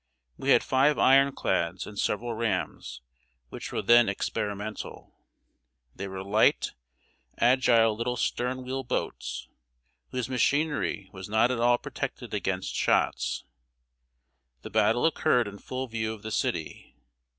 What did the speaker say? We had five iron clads and several rams, which were then experimental. They were light, agile little stern wheel boats, whose machinery was not at all protected against shots. The battle occurred in full view of the city.